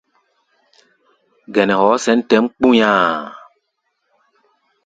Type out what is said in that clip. Gɛnɛ hɔɔ́ sɛ̌n tɛ̌ʼm kpu̧nya̧a̧.